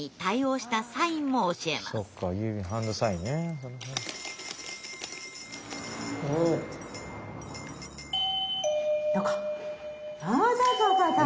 そうそうそうそう。